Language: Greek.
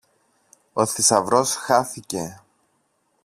Ο θησαυρός χάθηκε!